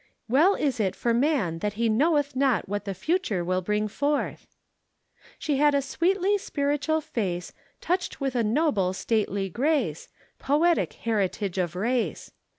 "Well is it for man that he knoweth not what the future will bring forth." She had a sweetly spiritual face, Touched with a noble, stately grace, Poetic heritage of race.